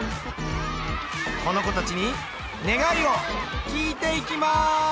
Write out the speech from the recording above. この子たちに願いを聞いていきます！